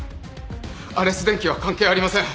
アレス電機は関係ありません。